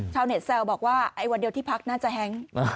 ชาวเน็ตแซวบอกว่าไอ้วันเดียวที่พักน่าจะแฮ้ง